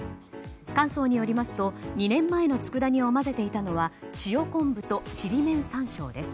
神宗によりますと２年前のつくだ煮を混ぜていたのは塩昆布とちりめん山椒です。